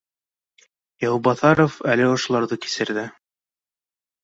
Яубаҫаров әле ошоларҙы кисерҙе